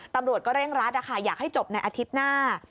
ตำรวจก็เร่งรัดนะคะอยากให้จบในอาทิตย์หน้า